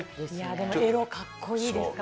でも、エロかっこいいですから。